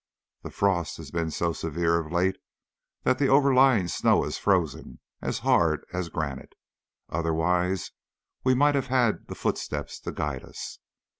The frost has been so severe of late that the overlying snow is frozen as hard as granite, otherwise we might have had the footsteps to guide us.